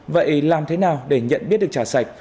vậy làm thế nào để nhận biết được trà sạch